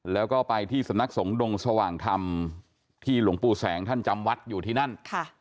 แล้วก็ไปที่สำนักสงฆ์ดงสว่างธรรมที่หลวงปู่แสงท่านจำวัดอยู่ที่นั่น